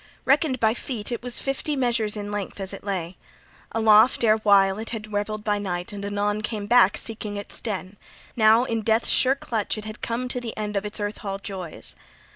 Reckoned by feet, it was fifty measures in length as it lay. Aloft erewhile it had revelled by night, and anon come back, seeking its den; now in death's sure clutch it had come to the end of its earth hall joys.